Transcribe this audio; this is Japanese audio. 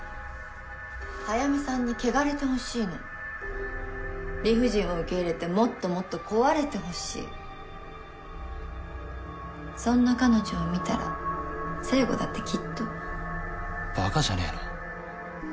早梅さんに汚れてほしいの理不尽を受け入れてもっともっと壊れてほしいそんな彼女を見たら成吾だってきっとバカじゃねえの？